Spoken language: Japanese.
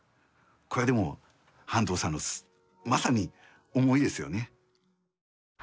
これはでも半藤さんのまさに思いですよね。